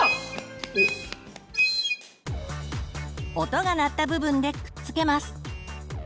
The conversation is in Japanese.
音が鳴った部分でくっつけます。